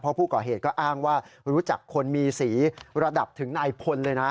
เพราะผู้ก่อเหตุก็อ้างว่ารู้จักคนมีสีระดับถึงนายพลเลยนะ